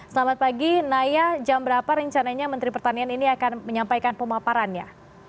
selamat pagi naya jam berapa rencananya menteri pertanian ini akan menyampaikan pemaparannya